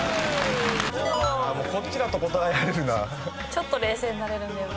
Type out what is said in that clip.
ちょっと冷静になれるんだよな。